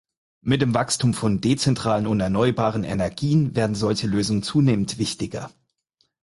Mit dem Wachstum von dezentralen und erneuerbaren Energien werden solche Lösungen zunehmend wichtiger.